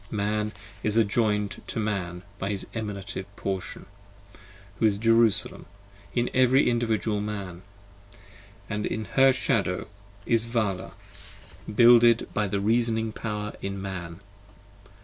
Man is adjoin'd to Man by his Emanative portion, Who is Jerusalem in every individual Man: and her 40 Shadow is Vala, builded by the Reasoning power in Man.